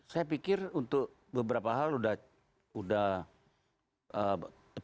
saya pikir untuk beberapa hal sudah tepat ya pengumuman yang diumumkan dari iqbal tadi